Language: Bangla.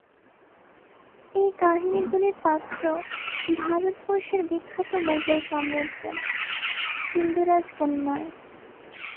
এই কাহিনীগুলির পাত্র ভারতবর্ষের বিখ্যাত মোগল সম্রাটগণ, হিন্দুরাজগণ নয়।